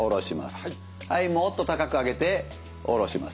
はいもっと高く上げて下ろします。